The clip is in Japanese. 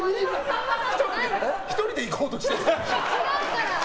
１人でいこうとしてます？